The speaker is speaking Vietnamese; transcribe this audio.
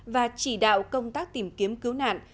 và chỉ đạo công tác tìm kiếm cứu nạn